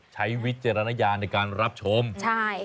วิจารณญาณในการรับชมใช่